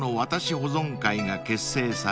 保存会が結成され